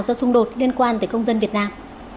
do xung đột liên quan tới công dân việt nam